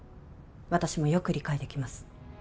私もよく理解できます